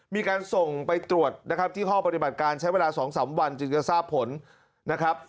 มีการส่งไปตรวจนะครับที่ห้องปฏิบัติการใช้เวลา๒๓วันจึงจะทราบผลนะครับ